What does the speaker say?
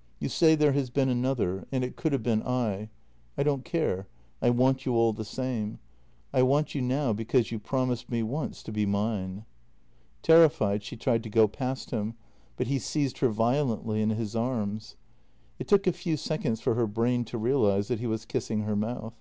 " You say there has been another — and it could have been I. I don't care; I want you all the same. I want you now because you promised me once to be mine." Terrified, she tried to go past him, but he seized her violently in his arms. It took a few seconds for her brain to realize that he was kissing her mouth.